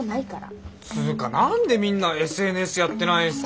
つうか何でみんなＳＮＳやってないんすか。